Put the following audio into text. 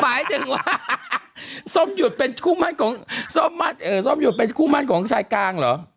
หมายถึงว่าส้มหยุดเป็นคู่มั่นของส้มหยุดเป็นคู่มั่นของชายกลางเหรอ